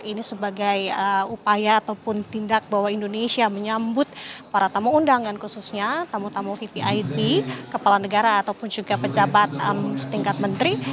ini sebagai upaya ataupun tindak bahwa indonesia menyambut para tamu undangan khususnya tamu tamu vvip kepala negara ataupun juga pejabat setingkat menteri